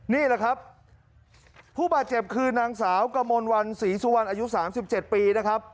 นี่แหละครับผู้บาดเจ็บคือนางสาวกมลวันศรีสุวรรณอายุ๓๗ปีนะครับ